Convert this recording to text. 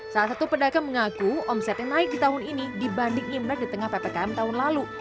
salah satu pedagang mengaku omsetnya naik di tahun ini dibanding imlek di tengah ppkm tahun lalu